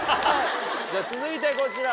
じゃ続いてこちら。